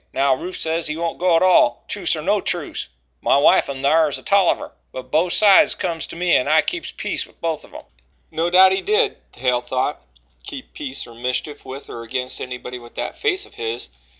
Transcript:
Now Rufe says he won't go at all truce or no truce. My wife in thar is a Tolliver, but both sides comes to me and I keeps peace with both of 'em." No doubt he did, Hale thought, keep peace or mischief with or against anybody with that face of his.